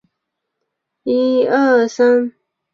更接近家乡